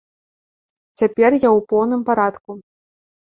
Цяпер я ў поўным парадку.